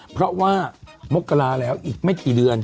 เพราะว่ามกราแล้วอีกไม่กี่เดือน